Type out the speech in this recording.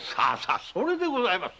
それでございます。